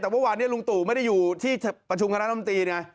แต่ว่าวันนี้ลุงตู่ไม่ได้อยู่ที่ประชุมคณะธรรมดีเนี่ย